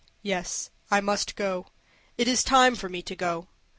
"Yes, I must go. It is time for me to go.